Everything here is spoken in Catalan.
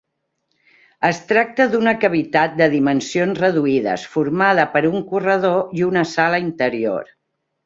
Es tracta d’una cavitat de dimensions reduïdes, formada per un corredor i una sala interior.